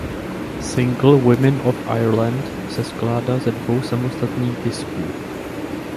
Singl „Women of Ireland“ se skládá ze dvou samostatných disků.